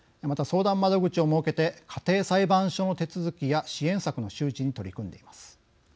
また、相談窓口を設けて家庭裁判所の手続きや支援策の周知に取り組んでいます。